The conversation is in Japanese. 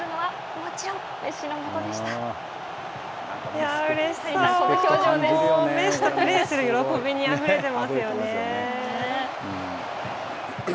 もうメッシとプレーする喜びにあふれてますよね。